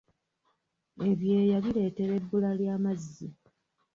Ebyeeya bireetera ebbula ly'amazzi .